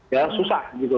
ya susah gitu